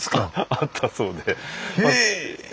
あったそうで。